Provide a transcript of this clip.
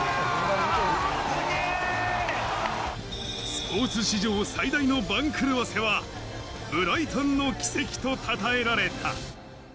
スポーツ史上最大の番狂わせはブライトンの奇跡と称えられた。